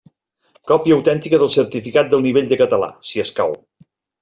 Còpia autèntica del certificat del nivell de català, si escau.